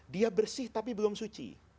dia bersih tapi belum suci